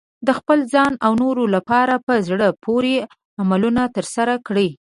د خپل ځان او نورو لپاره په زړه پورې عملونه ترسره کړئ.